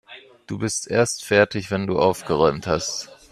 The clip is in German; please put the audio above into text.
Du bist erst fertig, wenn du aufgeräumt hast.